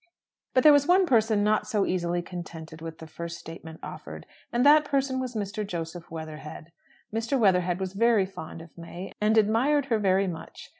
But there was one person not so easily contented with the first statement offered; and that person was Mr. Joseph Weatherhead. Mr. Weatherhead was very fond of May, and admired her very much.